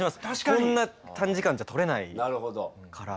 こんな短時間じゃ撮れないから。